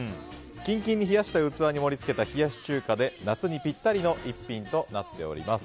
キンキンに冷やした器に盛り付けた冷やし中華で夏にぴったりの一品となっております。